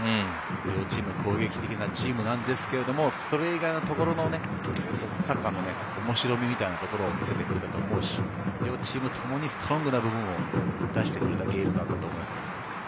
両チーム、攻撃的なチームなんですけれどもそれ以外のところサッカーも、おもしろみみたいなところを見せてくれたと思うし両チームともストロングなところを出してくれたと思います。